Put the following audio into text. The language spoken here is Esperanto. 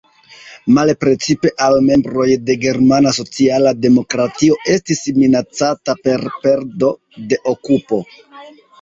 Male precipe al membroj de germana sociala demokratio estis minacata per perdo de okupo.